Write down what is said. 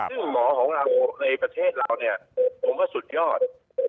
ซึ่งหมอของเราในประเทศเราเนี่ยผมก็สุดยอด